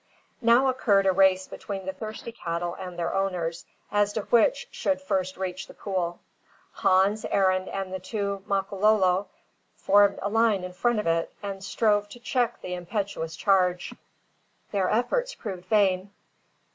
Now occurred a race between the thirsty cattle and their owners, as to which should first reach the pool. Hans, Arend, and the two Makololo formed a line in front of it and strove to check the impetuous charge. Their efforts proved vain.